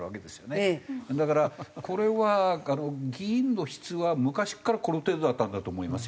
だからこれは議員の質は昔からこの程度だったんだと思いますよ。